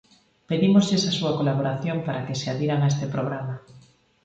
Pedímoslles a súa colaboración para que se adhiran a este programa.